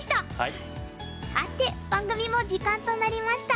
さて番組も時間となりました。